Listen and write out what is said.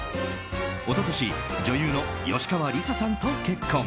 一昨年女優の吉川莉早さんと結婚。